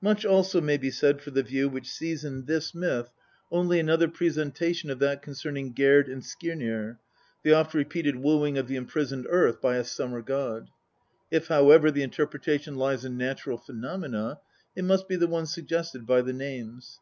Much also may be said for the view which sees in this myth only XLIV THE POETIC EDDA. another presentation of that concerning Gerd and Skirnir, the oft repeated wooing of the imprisoned earth by a summer god. If, how ever, the interpretation lies in natural phenomena, it must be the one suggested by the names.